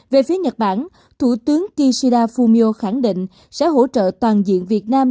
về phía nhật bản thủ tướng kishida fumio khẳng định sẽ hỗ trợ toàn diện việt nam